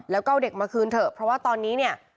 แล้วก็เอาเด็กมาคืนเถอะเพราะว่าตอนนี้เนี่ย